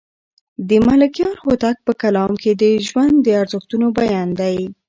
د ملکیار هوتک په کلام کې د ژوند د ارزښتونو بیان دی.